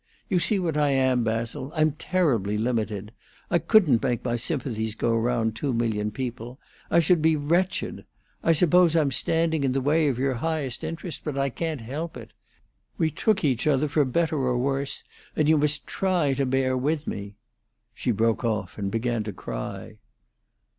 You see what I am, Basil. I'm terribly limited. I couldn't make my sympathies go round two million people; I should be wretched. I suppose I'm standing in the way of your highest interest, but I can't help it. We took each other for better or worse, and you must try to bear with me " She broke off and began to cry.